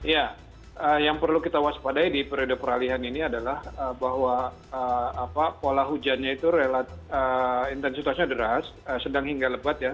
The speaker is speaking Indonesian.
ya yang perlu kita waspadai di periode peralihan ini adalah bahwa pola hujannya itu intensitasnya deras sedang hingga lebat ya